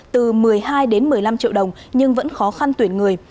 từ một mươi hai đến một mươi năm triệu đồng nhưng vẫn khó khăn tuyển người